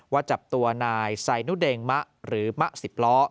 จับตัวนายไซนุเดงมะหรือมะ๑๐ล้อ